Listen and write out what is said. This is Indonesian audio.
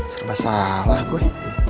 serba salah gue